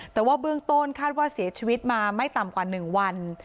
แต่ว่าเบื้องต้นคาดว่าเสียชีวิตมาไม่ต่ำกว่า๑วัน